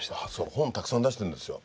本たくさん出してるんですよ。